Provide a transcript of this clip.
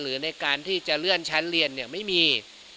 ในการที่จะเลื่อนชั้นเรียนเนี่ยไม่มี